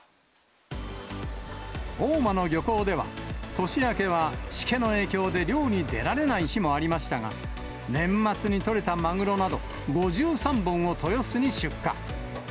大間の漁港では、年明けは、しけの影響で漁に出られない日もありましたが、年末に取れたマグロなど、５３本を豊洲に出荷。